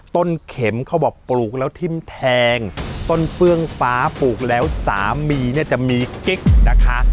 ต้นเข็มเขาบอกปลูกแล้วทิ้มแทงต้นเฟื้องฟ้าปลูกแล้วสามีเนี่ยจะมีกิ๊กนะคะ